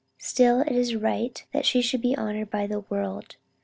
Still it is right that she should be honored by the world.